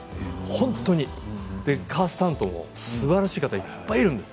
本当にカースタントもすばらしい方がいっぱいいるんです。